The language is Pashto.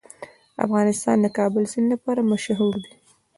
افغانستان د د کابل سیند لپاره مشهور دی.